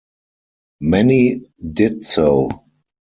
Many did so.